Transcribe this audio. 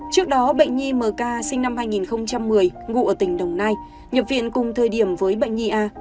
trước đó bệnh nhi m n a sinh năm hai nghìn một mươi ngụ ở tỉnh đồng nai nhập viện cùng thời điểm với bệnh nhi a